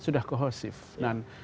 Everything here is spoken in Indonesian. sudah kohesif dan